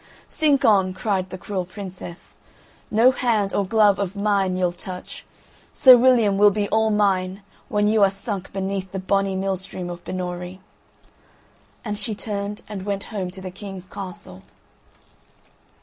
"Sink on," cried the cruel princess, "no hand or glove of mine you'll touch. Sweet William will be all mine when you are sunk beneath the bonny mill stream of Binnorie." And she turned and went home to the king's castle.